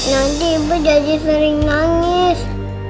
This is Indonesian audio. nanti ibu jadi sering nangis